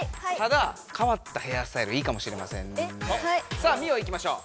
さあミオいきましょう。